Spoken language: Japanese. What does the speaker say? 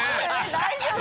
大丈夫？